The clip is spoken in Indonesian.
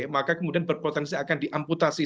maka kemudian berpotensi akan diamputasi